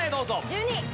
１２！